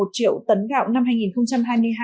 một triệu tấn gạo năm hai nghìn hai mươi hai